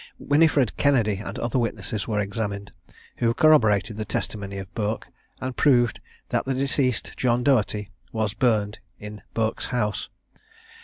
Winnifred Kennedy and other witnesses were examined, who corroborated the testimony of Bourke, and proved that the deceased, John Dougherty, was burned in Bourke's house.